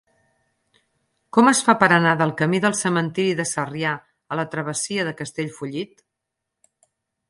Com es fa per anar del camí del Cementiri de Sarrià a la travessia de Castellfollit?